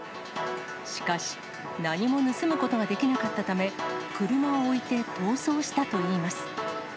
しかし、何も盗むことができなかったため、車を置いて逃走したといいます。